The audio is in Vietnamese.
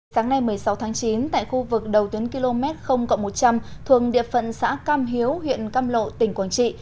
sáng nay một mươi sáu tháng chín tại khu vực đầu tuyến km một trăm linh thuồng địa phận xã cam hiếu huyện cam lộ tỉnh quảng trị